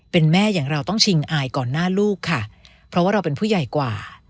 เป็นแม่อย่างเราต้องชิงอายก่อนหน้าลูกค่ะเพราะว่าเราเป็นผู้ใหญ่กว่า